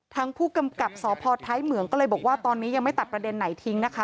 ทางผู้กำกับสพท้ายเหมืองก็เลยบอกว่าตอนนี้ยังไม่ตัดประเด็นไหนทิ้งนะคะ